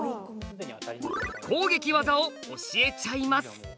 攻撃技を教えちゃいます！